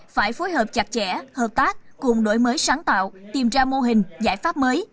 phải phối hợp chặt chẽ hợp tác cùng đổi mới sáng tạo tìm ra mô hình giải pháp mới